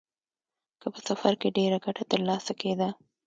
که په سفر کې ډېره ګټه ترلاسه کېده